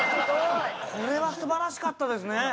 これは素晴らしかったですね。